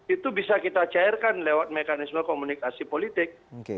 itu bisa kita cairkan lewat mekanisme komunikasi politik